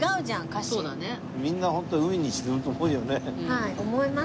はい思います。